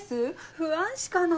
不安しかない。